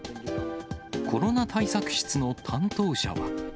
コロナ対策室の担当は。